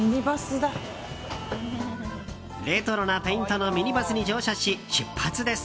レトロなペイントのミニバスに乗車し、出発です。